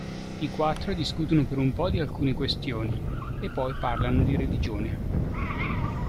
I quattro discutono per un po' di alcune questioni e poi parlano di religione.